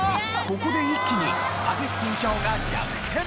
ここで一気にスパゲッティ票が逆転。